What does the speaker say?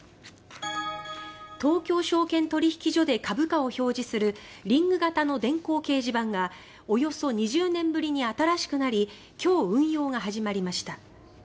東京証券取引所で株価を表示するリング型の電光掲示板がおよそ２０年ぶりに新しくなり今日、運用が始まりました。